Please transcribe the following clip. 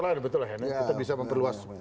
lain betul henny yang bisa memperluas